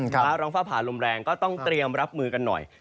ฟ้าร้องฟ้าผ่าลมแรงก็ต้องเตรียมรับมือกันหน่อย